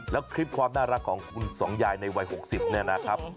แล้วคลิปความน่ารักของคุณสองยายในวัย๖๐เนี่ยนะครับ